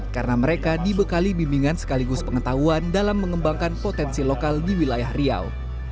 karena mereka dibekali bimbingan sekaligus pengetahuan dalam mengembangkan potensi lokal di wilayah riau